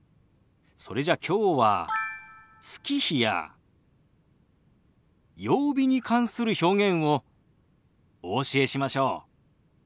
それじゃきょうは月日や曜日に関する表現をお教えしましょう。